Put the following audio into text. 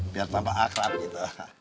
biar tampak akrab gitu